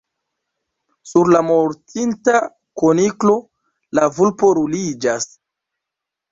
Sur la mortinta kuniklo, la vulpo ruliĝas.